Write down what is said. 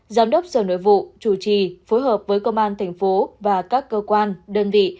giám đốc sở nội vụ chủ trì phối hợp với công an thành phố và các cơ quan đơn vị